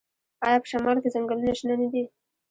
آیا په شمال کې ځنګلونه شنه نه دي؟